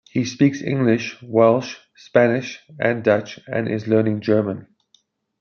He speaks English, Welsh, Spanish and Dutch and is learning German.